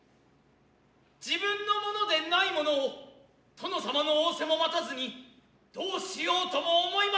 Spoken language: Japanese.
自分のものでないものを殿様の仰せも待たずに何うしようとも思ひませぬ。